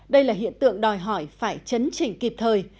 đây là hiện tượng đòi hỏi phải chấn chỉnh kịp thời